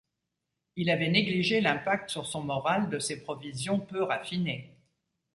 Il avait négligé l’impact sur son moral de ces provisions peu raffinées.